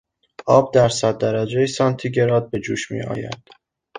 آب در صد درجهی سانتیگراد به جوش میآید.